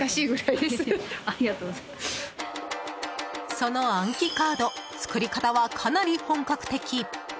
その暗記カード作り方は、かなり本格的。